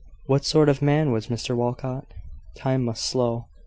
What sort of man was Mr Walcot? Time must show.